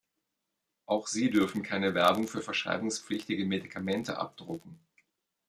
Auch sie dürfen keine Werbung für verschreibungspflichtige Medikamente abdrucken.